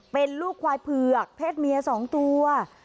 เป็นลูกควายเผือกเพศเมีย๒ตัว